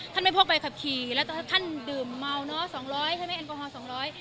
ท่านไม่พกใบขับขี่และท่านดื่มเมาเนอะ๒๐๐ใช่ไหมแอนกอฮอล์๒๐๐